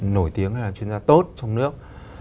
nổi tiếng hay là chuyên gia tốt trong nước